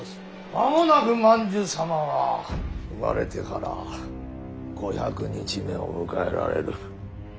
間もなく万寿様は生まれてから五百日目を迎えられる。